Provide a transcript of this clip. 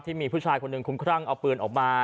ที่มีผู้ชายคนหนึ่งคุ้มครั่งเอาปืนออกมา